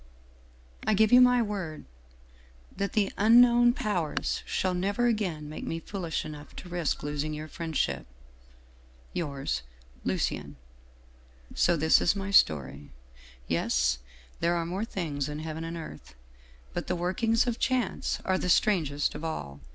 I give you my word that the ' Unknown Powers ' shall never again make me foolish enough to risk losing your friendship! " Yours " LUCIEN." " So this is my story. Yes, ' there are more things in heaven and earth ' But the workings of Chance are the strangest of all.